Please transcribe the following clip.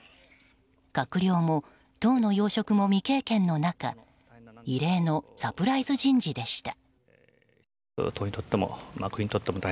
閣僚も党の要職も未経験の中異例のサプライズ人事でした。